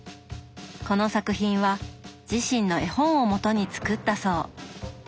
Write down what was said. この作品は自身の絵本をもとに作ったそう。